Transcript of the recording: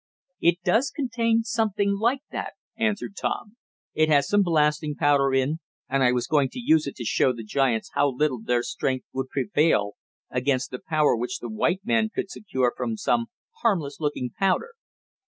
"It does contain something like that," answered Tom. "It has some blasting powder in, and I was going to use it to show the giants how little their strength would prevail against the power which the white man could secure from some harmless looking powder.